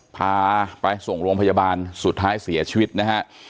พาไปส่งโรงพยาบาลสุดท้ายเสียชีวิตนะฮะ